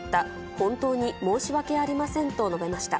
本当に申し訳ありませんと述べました。